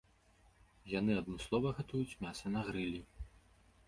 Яны адмыслова гатуюць мяса на грылі.